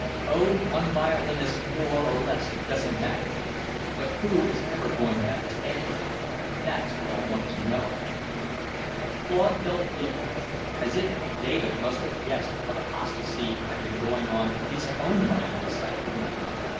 "Oh, one violinist more or less doesn't matter! But who is ever going back to anything? That's what I want to know!" Claude felt guilty; as if David must have guessed what apostasy had been going on in his own mind this afternoon.